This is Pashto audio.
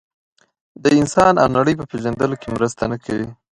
د انسان او نړۍ په پېژندلو کې مرسته نه کوي.